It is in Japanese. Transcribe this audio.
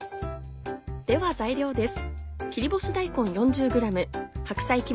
では材料です。